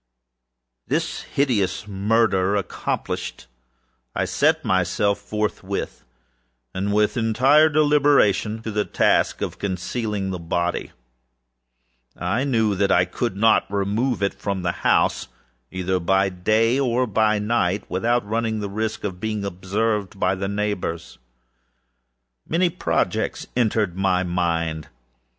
This hideous murder accomplished, I set myself forthwith, and with entire deliberation, to the task of concealing the body. I knew that I could not remove it from the house, either by day or by night, without the risk of being observed by the neighbors. Many projects entered my mind.